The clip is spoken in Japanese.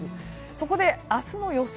そこで、明日の予想